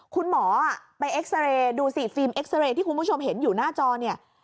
คุณหมอไปเอ็กซาเรย์ดูสิฟิล์มเอ็กซาเรย์ที่คุณผู้ชมเห็นอยู่หน้าจอเนี่ย